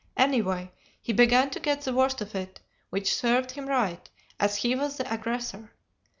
Anyway, he began to get the worst of it, which served him right, as he was the aggressor.